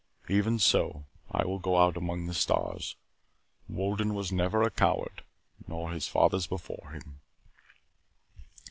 Even so, I will go out among the stars. Wolden was never a coward, nor his fathers before him."